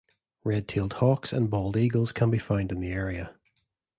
Red-tailed hawks and bald eagles can be found in the area.